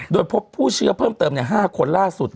โดยพบผู้เชื้อเพิ่มเติม๕คนล่าสุด